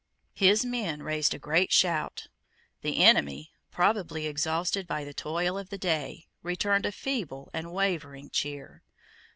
His men raised a great shout. The enemy, probably exhausted by the toil of the day, returned a feeble and wavering cheer.